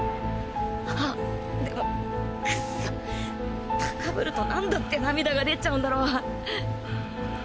ああでもくっそ昂ると何だって涙が出ちゃうんだろう？